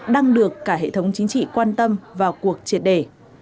đang được cả hệ thống chính trị quan tâm vào cuộc triển khai